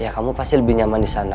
ya kamu pasti lebih nyaman disana